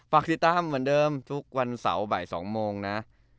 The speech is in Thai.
ฝากติดตามเติมทุกวันเสาร์บ่ายสองโมงนะ